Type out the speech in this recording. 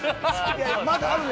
まだある。